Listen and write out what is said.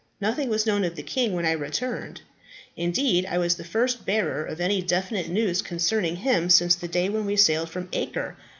Nothing was known of the king when I returned. Indeed, I was the first bearer of any definite news concerning him since the day when he sailed from Acre.